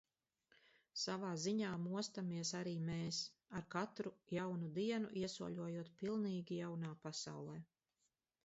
Savā ziņā mostamies arī mēs – ar katru jaunu dienu iesoļojot pilnīgi jaunā pasaulē.